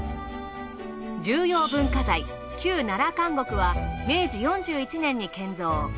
重要文化財旧奈良監獄は明治４１年に建造。